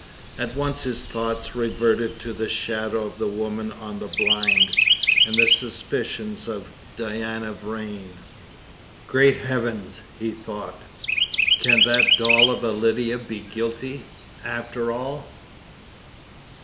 At once his thoughts reverted to the shadow of the woman on the blind, and the suspicions of Diana Vrain. "Great heavens!" he thought, "can that doll of a Lydia be guilty, after all?"